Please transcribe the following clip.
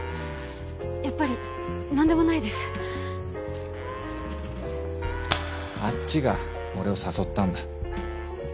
やっぱり何でもないあっちが俺を誘ったんだ。